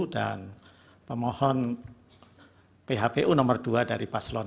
dan pemohon phpu nomor dua dari paslon satu